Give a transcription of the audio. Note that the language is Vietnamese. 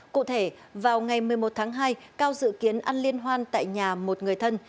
cụ thể vào ngày một mươi một tháng hai cao dự kiến ăn liên hoan tại nhà một người thân